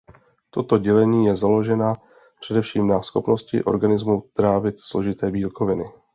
Toto dělení je založena především na schopnosti organismu trávit složité bílkoviny.